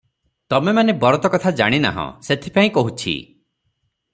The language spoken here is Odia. ତମେମାନେ ବରତ କଥା ଜାଣି ନାହଁ; ସେଥିପାଇଁ କହୁଛି ।